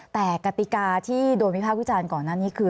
แต่กติกาที่โดนวิภาควิจารณ์ก่อนหน้านี้คือ